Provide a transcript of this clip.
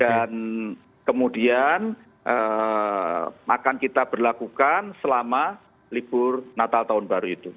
dan kemudian akan kita berlakukan selama libur natal tahun baru itu